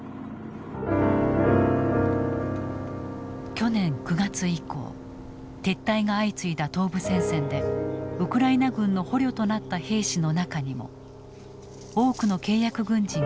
去年９月以降撤退が相次いだ東部戦線でウクライナ軍の捕虜となった兵士の中にも多くの契約軍人が含まれていた。